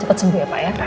cepat sembuh ya pak ya